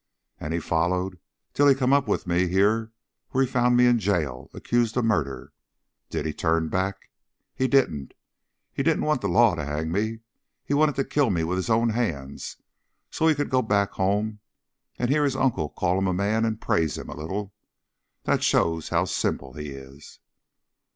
"And he followed till he come up with me here where he found me in jail, accused of a murder. Did he turn back? He didn't. He didn't want the law to hang me. He wanted to kill me with his own hands so's he could go back home and hear his uncle call him a man and praise him a little. That shows how simple he is.